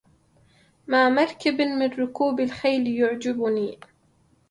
ما مركب من ركوب الخيل يعجبني